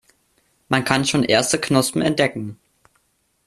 Man kann schon erste Knospen entdecken.